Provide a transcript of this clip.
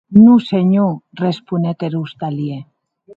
Non senhor, responec er ostalièr.